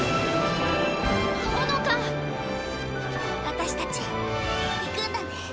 私たち行くんだね。